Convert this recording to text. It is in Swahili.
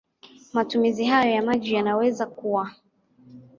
Matumizi hayo ya maji yanaweza kuwa